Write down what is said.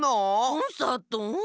コンサート？